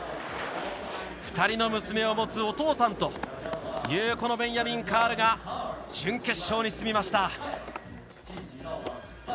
２人の娘を持つお父さんというベンヤミン・カールが準決勝に進みました。